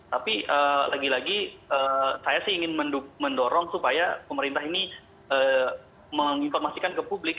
tapi lagi lagi saya sih ingin mendorong supaya pemerintah ini menginformasikan ke publik